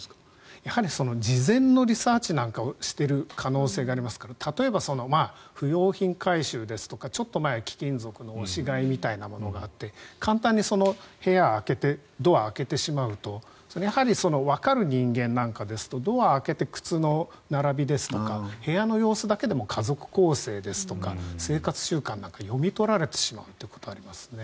やはり事前のリサーチなんかをしている可能性がありますから例えば、不用品回収ですとかちょっと前は貴金属の押し買いみたいなものがあって簡単に部屋を開けてドアを開けてしまうとわかる人間なんかですとドアを開けて靴の並びですとか部屋の様子だけでも家族構成ですとか生活習慣なんかを読み取られてしまうということがありますね。